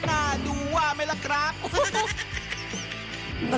น่าดูว่าไหมล่ะครับ